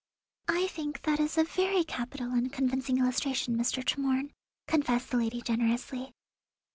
"I think that is a very capital and convincing illustration, Mr. Tremorne," confessed the lady generously.